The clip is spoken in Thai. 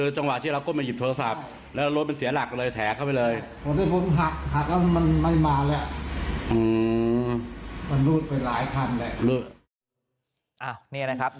ดังนั้นขับรถแล้วลดเป็นเสียหลักเลยแถ่เข้าไปเลย